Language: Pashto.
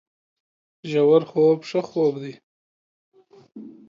ژورخوب ښه خوب دی